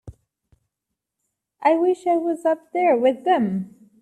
I wish I was up there with them.